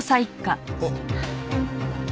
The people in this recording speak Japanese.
あっ。